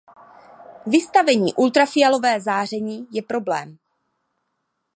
Vystavení ultrafialové záření je problém.